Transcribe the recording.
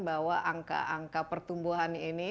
bahwa angka angka pertumbuhan ini